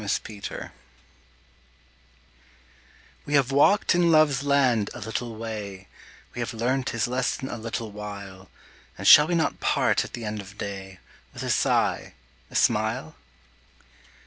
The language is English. APRIL LOVE We have walked in Love's land a little way, We have learnt his lesson a little while, And shall we not part at the end of day, With a sigh, a smile?